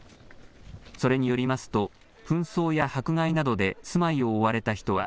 それによりますと、紛争や迫害などで住まいを追われた人は、